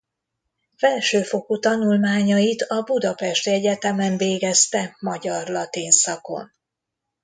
Felsőfokú tanulmányait a budapesti egyetemen végezte magyar-latin szakon.